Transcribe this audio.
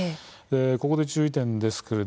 ここで注意点です。